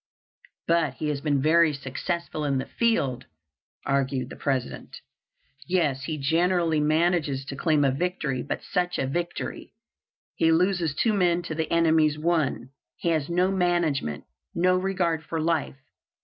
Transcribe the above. "But he has been very successful in the field," argued the President. "Yes, he generally manages to claim a victory, but such a victory! He loses two men to the enemy's one. He has no management, no regard for life.